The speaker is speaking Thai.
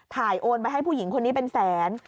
โอนไปให้ผู้หญิงคนนี้เป็นแสน